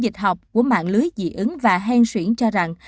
diễn dịch học của mạng lưới dị ứng và hèn xuyển cho rằng